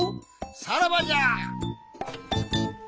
さらばじゃ！